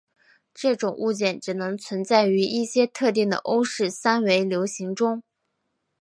这种物件只能存在于一些特定的欧氏三维流形中。